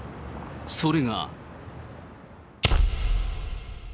それが。